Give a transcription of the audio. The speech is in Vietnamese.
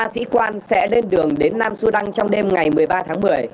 ba sĩ quan sẽ lên đường đến nam sudan trong đêm ngày một mươi ba tháng một mươi